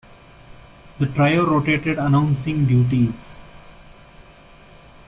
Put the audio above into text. The trio rotated announcing duties.